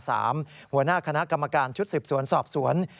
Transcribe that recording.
หัวหน้าคณะกรรมการชุดสืบสวนสอบสวน